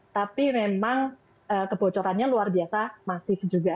tapi memang kebocorannya luar biasa masih sejuga